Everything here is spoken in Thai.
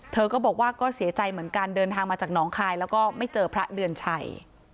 เธอก็บอกว่าก็เสียใจเหมือนกันเดินทางมาจากหนองคายแล้วก็ไม่เจอพระเดือนชัย